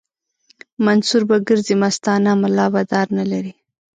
منصور به ګرځي مستانه ملا به دار نه لري